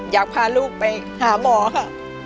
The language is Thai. อยากพาลูกไปหาหมอค่ะ